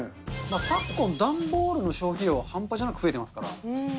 昨今、段ボールの消費量、半端じゃなく増えていますから。